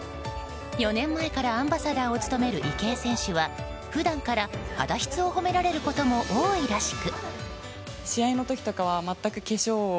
４年前からアンバサダーを務める池江選手は普段から肌質を褒められることも多いらしく。